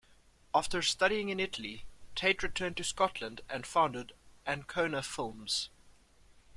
After studying in Italy, Tait returned to Scotland and founded Ancona Films.